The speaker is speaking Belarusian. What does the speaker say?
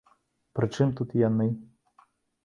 Пры чым тут яны?